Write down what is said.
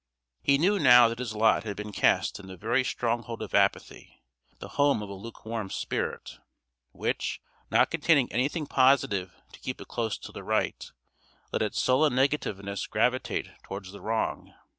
He knew now that his lot had been cast in the very stronghold of apathy, the home of a lukewarm spirit, which, not containing anything positive to keep it close to the right, let its sullen negativeness gravitate towards the wrong.